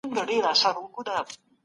د ژوند حق یو طبعي او الهي حق دی.